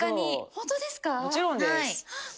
もちろんです。